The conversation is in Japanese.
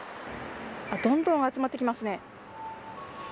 どんど集まってきますね。